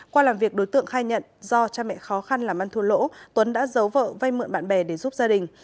qua làm việc đối tượng khai nhận do cha mẹ khó khăn làm ăn thua lỗ tuấn đã giấu vợ vay mượn bạn bè để giúp gia đình